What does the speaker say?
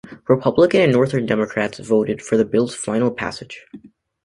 Republicans and Northern Democrats voted for the bill's final passage.